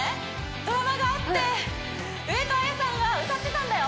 ドラマがあって上戸彩さんが歌ってたんだよ